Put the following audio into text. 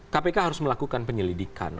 kpk harus melakukan penyelidikan